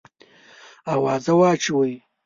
آوازه واچوې.